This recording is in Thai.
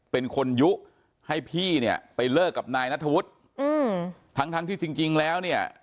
เป็นคนยุให้พี่เนี่ยไปเลิกกับนายนัทธวุฒิอืมทั้งทั้งที่จริงจริงแล้วเนี่ย